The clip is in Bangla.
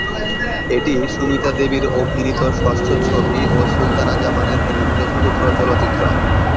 এটি সুমিতা দেবীর অভিনীত ষষ্ঠ ছবি ও সুলতানা জামানের অভিনীত চতুর্থ চলচ্চিত্র।